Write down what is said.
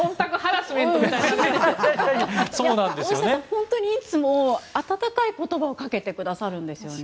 本当にいつも温かい言葉をかけてくださるんですよね。